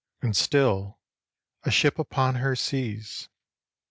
And still, a ship upon her seas.